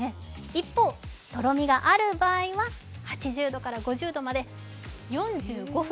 一方、とろみがある場合は８０度から５０度まで４５分。